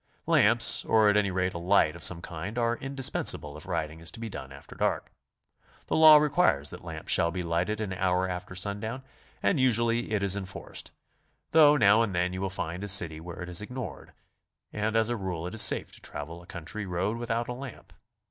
Lamps, or at any rate a light of some kind, are indi spensable if riding is to be done after dark. The law requires that lamps shall be lighted an hour after sundown, and usu ally it is enforced, though now and then you will find a city BICYCLE TOURING. lOI where it is ignored, and as a rule it is safe to travel a coun try road without a lamp.